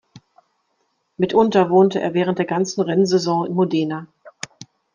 Mitunter wohnte er während der ganzen Rennsaison in Modena.